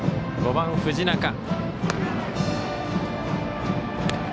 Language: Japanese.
５番、藤中。